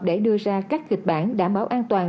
để đưa ra các kịch bản đảm bảo an toàn